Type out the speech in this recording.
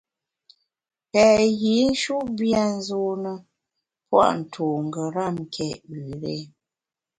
Pèt yinshut bia nzune pua’ ntu ngeram nké üré.